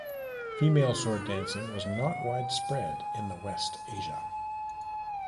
Female sword dancing was not widespread in the West Asia.